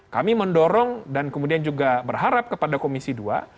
kami mendorong dan kemudian juga berharap kepada komisi dua